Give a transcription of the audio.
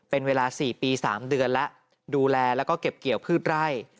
เป็นเวลา๔ปี๓เดือนแล้วดูแลแล้วก็เก็บเกี่ยวพืชไร่